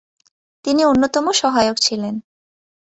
তিনি অন্যতম সহায়ক ছিলেন।